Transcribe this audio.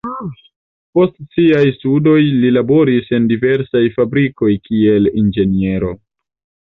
Post siaj studoj li laboris en diversaj fabrikoj kiel inĝeniero.